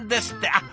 あっ！